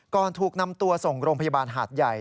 ถูกนำตัวส่งโรงพยาบาลหาดใหญ่